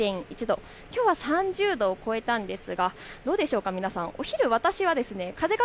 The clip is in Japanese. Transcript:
３２．１度、きょうは３０度を超えたんですがどうでしょうか、皆さん。